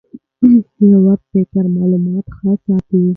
ژور فکر معلومات ښه ساتي.